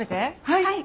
はい。